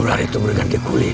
ular itu berganti kulit